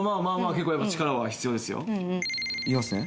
結構やっぱ力は必要ですよいきますね